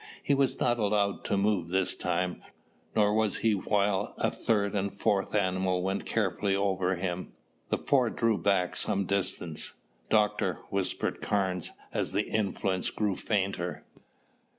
He was not allowed to move this time, nor was he while a third and fourth animal went carefully over him. The four drew back some distance. "Doctor," whispered Carnes as the influence grew fainter.